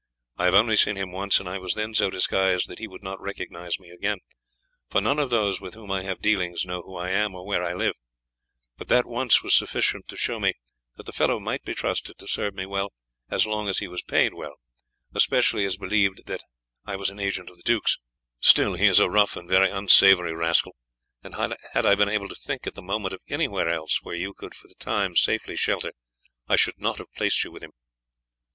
I have only seen him once, and I was then so disguised that he would not recognize me again for none of those with whom I have dealings know who I am or where I live but that once was sufficient to show me that the fellow might be trusted to serve me well as long as he was paid well, especially as he believed that I was an agent of the duke's; still, he is a rough and very unsavoury rascal, and had I been able to think at the moment of anywhere else where you could for the time safely shelter I should not have placed you with him."